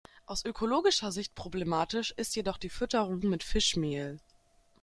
Aus ökologischer Sicht problematisch ist jedoch die Fütterung mit Fischmehl.